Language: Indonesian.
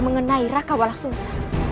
mengenai raka walang sungsang